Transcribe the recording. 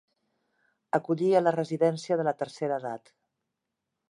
Acollir a la residència de la tercera edat.